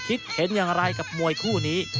คิดเห็นอย่างไรกับมวยคู่นี้